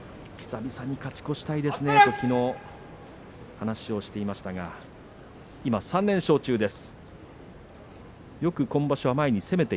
久々に勝ち越したいですねという話をしていました大奄美です。